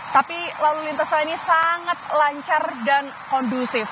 tapi lalu lintasnya ini sangat lancar dan kondusif